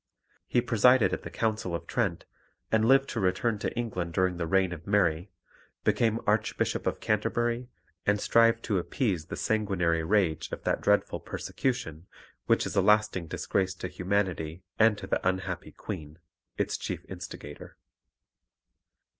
He presided at the Council of Trent, and lived to return to England during the reign of Mary, became Archbishop of Canterbury, and strived to appease the sanguinary rage of that dreadful persecution which is a lasting disgrace to humanity and to the unhappy Queen, its chief instigator.